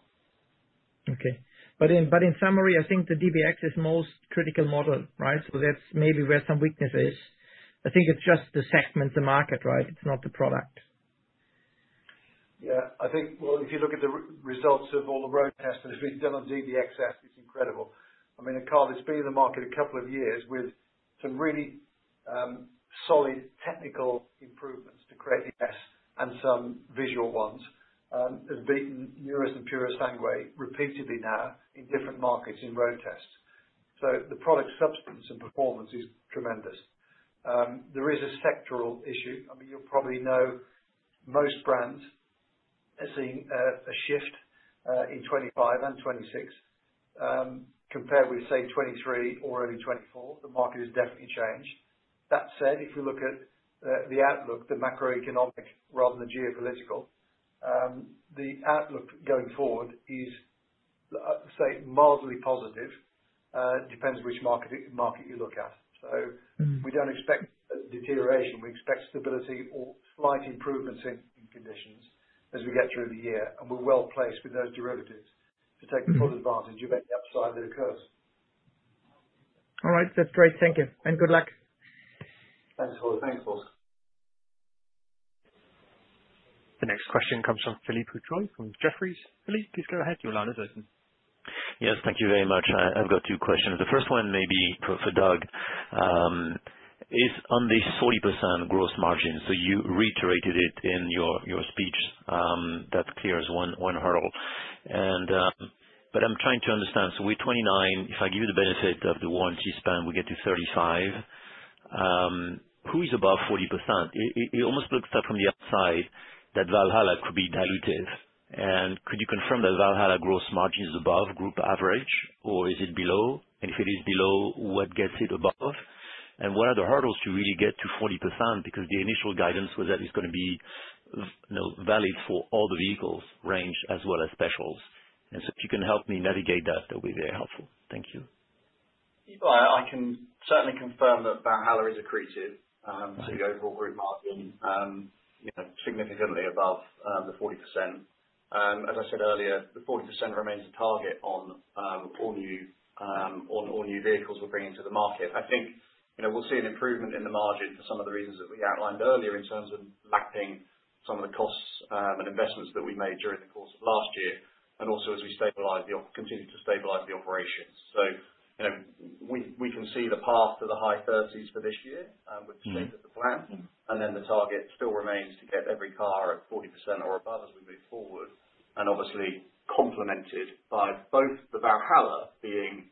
Okay. In, but in summary, I think the DBX is most critical model, right? That's maybe where some weakness is. I think it's just the segment, the market, right? It's not the product. I think, well, if you look at the results of all the road tests that have been done on DBX S, it's incredible. I mean, a car that's been in the market a couple of years with some really solid technical improvements to create S, and some visual ones, has beaten Urus and Purosangue repeatedly now in different markets in road tests. The product substance and performance is tremendous. There is a sectoral issue. I mean, you'll probably know, most brands are seeing a shift in 2025 and 2026 compared with, say, 2023 or early 2024. The market has definitely changed. That said, if you look at the outlook, the macroeconomic rather than the geopolitical, the outlook going forward is, say, mildly positive. It depends which market you look at. Mm-hmm. We don't expect a deterioration. We expect stability or slight improvements in conditions as we get through the year. We're well placed with those derivatives to take full advantage of any upside that occurs. All right. That's great. Thank you, and good luck. Thanks, Horst. Thanks, Horst. The next question comes from Philippe Houchois from Jefferies. Philippe, please go ahead. Your line is open. Yes, thank you very much. I've got two questions. The first one may be for Doug. is on the 40% gross margin. You reiterated it in your speech, that clears one hurdle. I'm trying to understand, we're 29, if I give you the benefit of the warranty span, we get to 35, who is above 40%? It almost looks like from the outside that Valhalla could be diluted. Could you confirm that Valhalla gross margin is above group average, or is it below? If it is below, what gets it above? What are the hurdles to really get to 40%? The initial guidance was that it's gonna be, you know, valid for all the vehicles' range as well as specials. If you can help me navigate that'll be very helpful. Thank you. Well, I can certainly confirm that Valhalla is accretive to the overall group margin, you know, significantly above the 40%. As I said earlier, the 40% remains the target on all new vehicles we're bringing to the market. I think, you know, we'll see an improvement in the margin for some of the reasons that we outlined earlier in terms of lapping some of the costs and investments that we made during the course of last year, and also as we continue to stabilize the operations. You know, we can see the path to the high-30s for this year— Mm-hmm. —which is still the plan. The target still remains to get every car at 40% or above as we move forward. Obviously, complemented by both the Valhalla being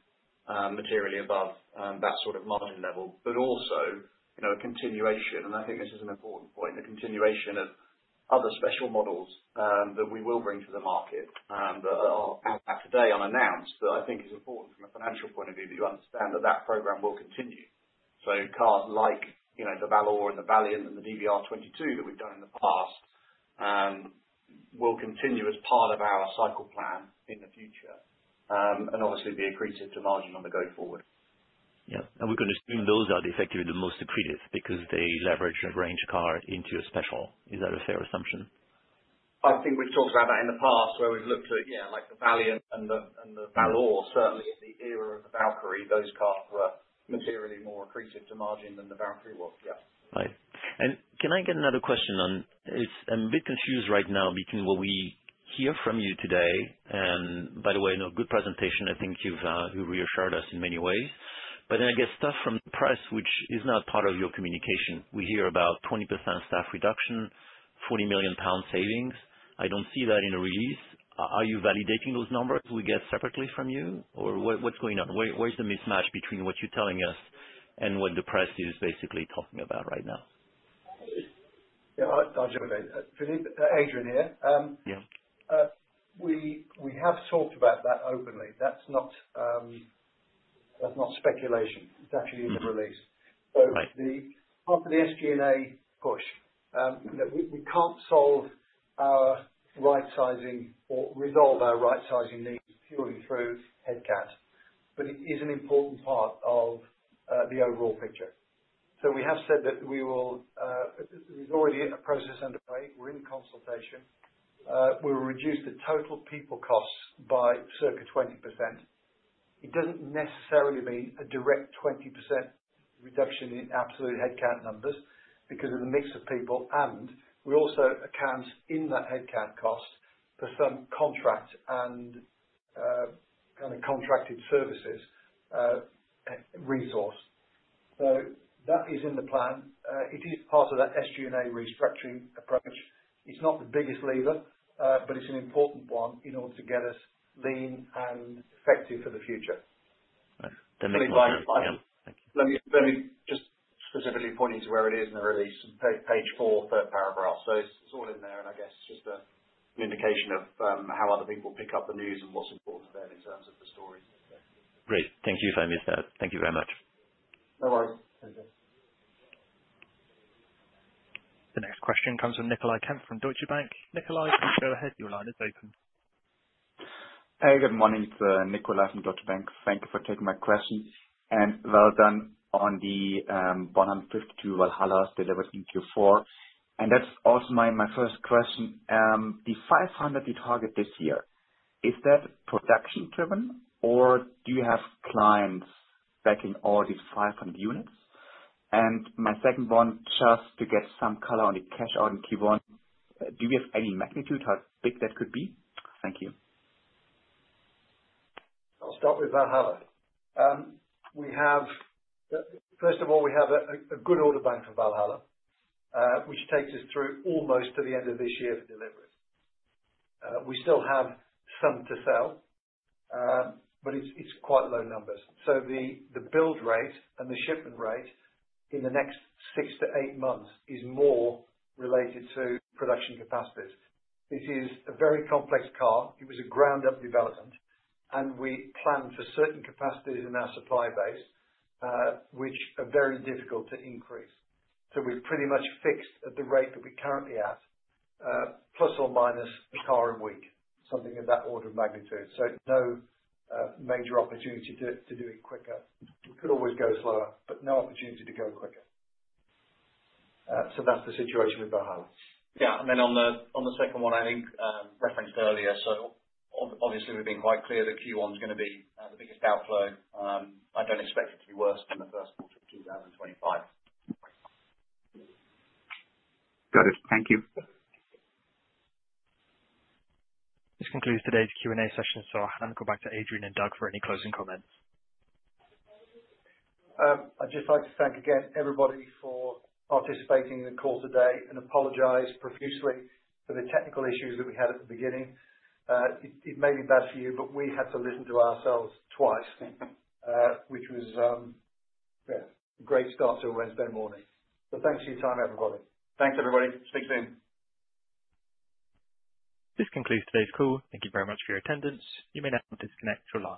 materially above that sort of margin level, but also, you know, a continuation, and I think this is an important point, a continuation of other special models that we will bring to the market that are out there today unannounced, that I think is important from a financial point of view, that you understand that program will continue. Cars like, you know, the Valour and the Valiant and the DBR22 that we've done in the past will continue as part of our cycle plan in the future. And obviously be accretive to margin on the go forward. Yeah. We can assume those are effectively the most accretive, because they leverage a range car into a special. Is that a fair assumption? I think we've talked about that in the past, where we've looked at, yeah, like the Valiant and the, and the Valour, certainly, in the era of the Valkyrie, those cars were materially more accretive to margin than the Valkyrie was. Yes. Can I get another question on—I'm a bit confused right now between what we hear from you today, and by the way, you know, good presentation. I think you've, you reassured us in many ways. I get stuff from the press, which is not part of your communication. We hear about 20% staff reduction, 40 million pound savings. I don't see that in the release. Are you validating those numbers we get separately from you, or what's going on? Where's the mismatch between what you're telling us and what the press is basically talking about right now? Yeah, I'll jump in. Philippe, Adrian here. Yeah. We have talked about that openly. That's not speculation. Mm-hmm. It's actually in the release. Right. The part of the SG&A push that we can't solve our right sizing or resolve our right-sizing needs purely through headcount, but it is an important part of the overall picture. We have said that we will, there's already a process underway. We're in consultation. We will reduce the total people costs by circa 20%. It doesn't necessarily mean a direct 20% reduction in absolute headcount numbers, because of the mix of people, and we also account in that headcount cost for some contract and kind of contracted services resource. That is in the plan. It is part of that SG&A restructuring approach. It's not the biggest lever, but it's an important one in order to get us lean and effective for the future. Right. That makes more sense. Yeah. Thank you. Let me just specifically point you to where it is in the release. page four, third paragraph. So it's all in there, and I guess just an indication of how other people pick up the news and what's important for them in terms of the story. Great. Thank you if I missed that. Thank you very much. No worries. Thank you. The next question comes from Nicolai Kempf from Deutsche Bank. Nicolai, go ahead. Your line is open. Hey, good morning. It's Nicolai from Deutsche Bank. Thank you for taking my question. Well done on the 152 Valhallas delivered in Q4. That's also my first question. The 500 you target this year, is that production driven, or do you have clients backing all these 500 units? My second one, just to get some color on the cash out in Q1, do we have any magnitude how big that could be? Thank you. I'll start with Valhalla. We have. First of all, we have a good order bank for Valhalla, which takes us through almost to the end of this year for delivery. We still have some to sell, but it's quite low numbers. The build rate and the shipment rate in the next six to eight months is more related to production capacities. This is a very complex car. It was a ground up development, and we planned for certain capacities in our supply base, which are very difficult to increase. We're pretty much fixed at the rate that we're currently at, ± a car a week, something of that order of magnitude. No major opportunity to do it quicker. We could always go slower, but no opportunity to go quicker. That's the situation with Valhalla. On the second one, I think, referenced earlier, obviously, we're being quite clear that Q1 is going to be the biggest outflow. I don't expect it to be worse than the first quarter of 2025. Got it. Thank you. This concludes today's Q&A session. I'll hand it back to Adrian and Doug for any closing comments. I'd just like to thank again, everybody, for participating in the call today, and apologize profusely for the technical issues that we had at the beginning. It may be bad for you, but we had to listen to ourselves twice, which was, yeah, a great start to a Wednesday morning. Thanks for your time, everybody. Thanks, everybody. Speak soon. This concludes today's call. Thank you very much for your attendance. You may now disconnect your lines.